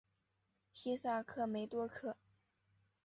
西萨克梅多克。